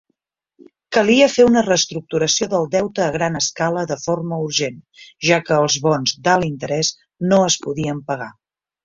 Calia fer una reestructuració del deute a gran escala de forma urgent, ja què els bons d"alt interès no es podien pagar.